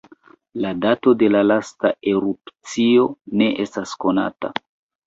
La dato de la lasta erupcio ne estas konata.